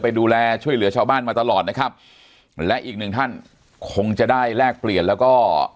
ดูแลช่วยเหลือชาวบ้านมาตลอดนะครับและอีกหนึ่งท่านคงจะได้แลกเปลี่ยนแล้วก็